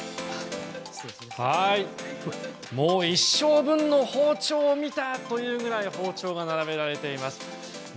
もう一生分の包丁を見たというぐらい包丁が並べられています。